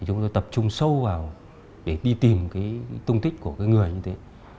chúng tôi tập trung sâu vào để đi tìm tung tích của người như thế